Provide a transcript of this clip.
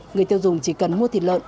người tiêu dùng chỉ cần mua thịt lợn